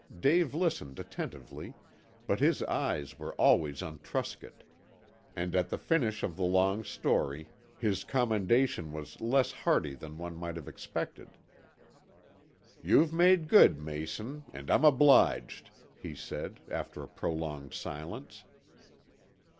Dave listened attentively, but his eyes were always on Truscott, and at the finish of the long story his commendation was less hearty than one might have expected. "You've made good, Mason, an' I'm obliged," he said, after a prolonged silence.